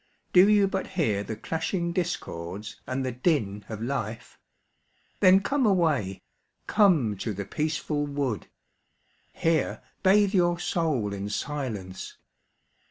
Do you but hear the clashing discords and the din of life? Then come away, come to the peaceful wood, Here bathe your soul in silence.